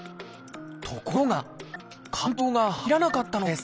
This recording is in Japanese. ところが浣腸が入らなかったのです